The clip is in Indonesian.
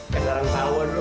kayak sarang sawo nuk